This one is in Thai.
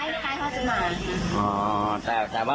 ใครเธอถึงมา